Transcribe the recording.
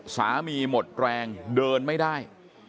หมดแรงเดินไม่ได้